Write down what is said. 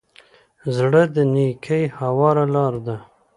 زړه د نېکۍ هواره لاره ده.